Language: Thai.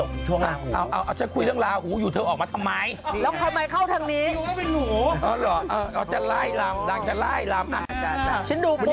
ก็คุยเรื่องหูอยู่เธอออกมาทำไมเขาจะได้รับแล้วซึ่งดูปุ๊บไร